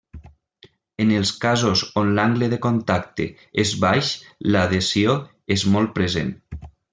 En els casos on l'angle de contacte és baix l'adhesió és molt present.